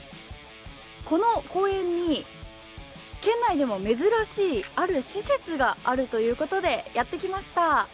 この公園に、県内でも珍しいある施設があるということでやってきました。